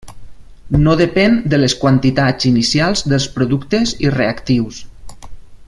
No depèn de les quantitats inicials dels productes i reactius.